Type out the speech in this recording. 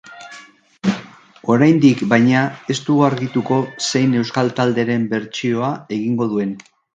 Oraindik, baina, ez dugu argituko zein euskal talderen bertsioa egingo duen.